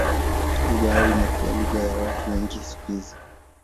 Lugha yao imekuwa lugha ya watu wengi siku hizi.